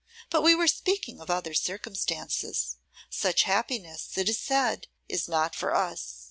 But we were speaking of other circumstances. Such happiness, it is said, is not for us.